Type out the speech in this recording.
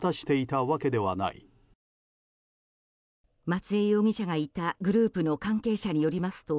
松江容疑者がいたグループの関係者によりますと